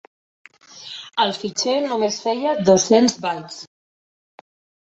El fitxer només feia dos-cents bytes.